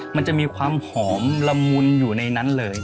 มันจะมีความหอมละมุนอยู่ในนั้นเลย